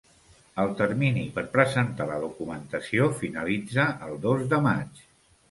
El termini per presentar la documentació finalitza el dos de maig.